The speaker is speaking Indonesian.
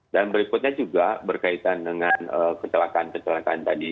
dan berikutnya juga berkaitan dengan kecelakaan kecelakaan tadi